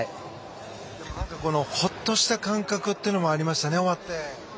ほっとした感覚というのもありましたね、終わって。